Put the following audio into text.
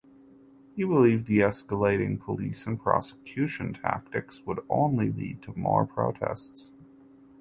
He believed the escalating police and prosecution tactics would only lead to more protests.